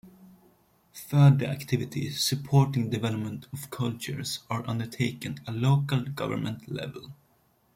Further activities supporting development of culture are undertaken at local government level.